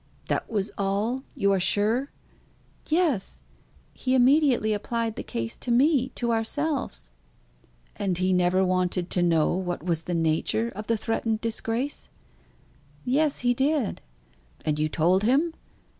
'" "That was all, you are sure?" "Yes. He immediately applied the case to me to ourselves." "And he never wanted to know what was the nature of the threatened disgrace?" "Yes, he did." "And you told him?"